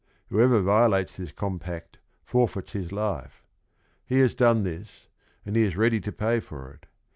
Whoever violates this compact forfeits his life. He has done this, and he/ is ready to pay for it.